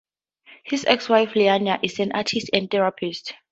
His ex-wife Liana is an artist and therapist.